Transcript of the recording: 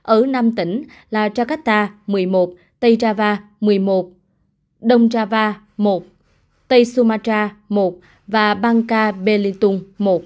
ở năm tỉnh là jakarta một mươi một tây java một mươi một đông java một tây sumatra một và bangka belitung một